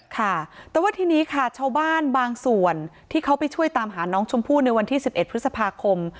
ค่ะแต่ว่าทีนี้ค่ะชาวบ้านบางส่วนที่เขาไปช่วยตามหาน้องชมพู่ในวันที่๑๑พฤษภาคม